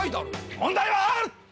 問題はある！